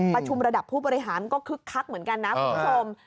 ประชุมระดับผู้บริหารก็คึกคักเหมือนกันนะคุณผู้ชม